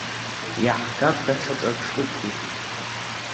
Иаҳгап даҽа ҿырԥштәыкгьы…